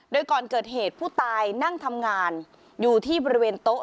โดยก่อนเกิดเหตุผู้ตายนั่งทำงานอยู่ที่บริเวณโต๊ะ